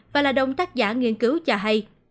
và là đồng tác giả nghiên cứu cho hay